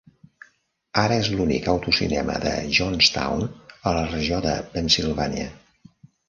Ara és l'únic autocinema de Johnstown, a la regió de Pennsilvània.